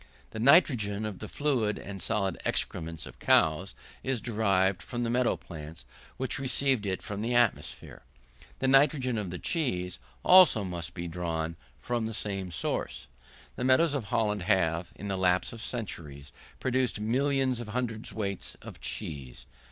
The nitrogen of the fluid and solid excrements of cows, is derived from the meadow plants, which receive it from the atmosphere; the nitrogen of the cheese also must be drawn from the same source. The meadows of Holland have, in the lapse of centuries, produced millions of hundredweights of cheese.